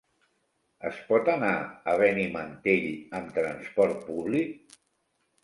Es pot anar a Benimantell amb transport públic?